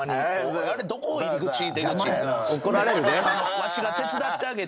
わしが手伝ってあげて。